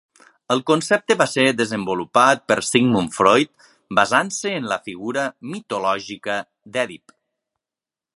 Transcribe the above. El concepte va ser desenvolupat per Sigmund Freud, basant-se en la figura mitològica d'Èdip.